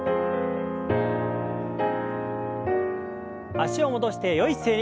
脚を戻してよい姿勢に。